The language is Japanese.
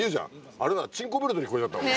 あれが「チンコベルト」に聞こえちゃったもん。